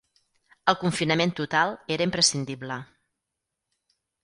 El confinament total era imprescindible.